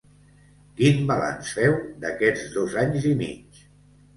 Quin balanç féu d’aquests dos anys i mig?